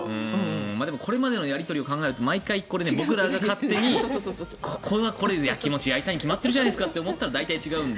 これまでのやり取りを見ると毎回、僕らが勝手にここは、これでやきもちやいたに決まってるじゃないですかと思ったら大体違うので。